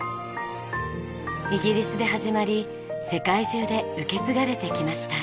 イギリスで始まり世界中で受け継がれてきました。